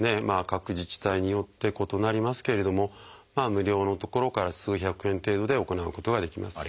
各自治体によって異なりますけれども無料のところから数百円程度で行うことができます。